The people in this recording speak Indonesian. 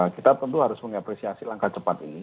kita tentu harus mengapresiasi langkah cepat ini